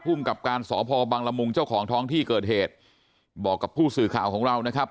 กับการสพบังละมุงเจ้าของท้องที่เกิดเหตุบอกกับผู้สื่อข่าวของเรานะครับ